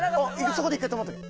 そこで１回止まっとけ。